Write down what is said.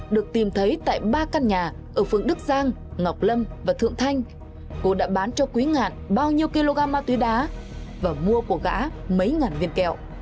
được tìm thấy tại ba căn nhà ở phương đức giang ngọc lâm và thượng thanh cô đã bán cho quý ngạn bao nhiêu kg ma túy đá và mua của gã mấy ngàn viên kẹo